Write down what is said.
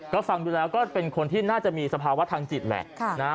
ก็ฟังดูแล้วก็เป็นคนที่น่าจะมีสภาวะทางจิตแหละ